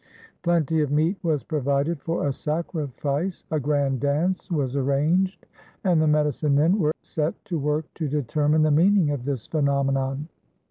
Plenty of meat was provided for a sacrifice, a grand dance was arranged, and the medicine men were set to work to determine the meaning of this phenomenon.